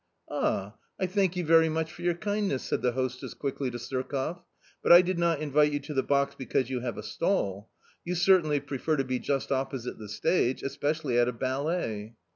" Ah, I thank you very much for your kindness !" said the hostess quickly to Surkoff, " but I did not invite you to the box because you have a stall. You certainly prefer to be just opposite the stage .... especially at a ballet."